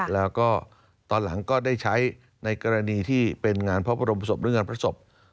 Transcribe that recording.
แล้วก็ตอนหลังก็ได้ใช้ในกรณีที่เป็นงานพระบรมศพหรืองานพระศพ